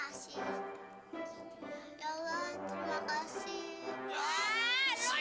pasti langsung dikasih